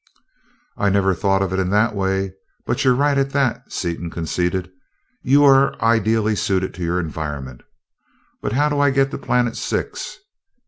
"I never thought of it in that way, but you're right, at that," Seaton conceded. "You are ideally suited to your environment. But how do I get to planet Six?